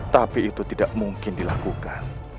tapi itu tidak mungkin dilakukan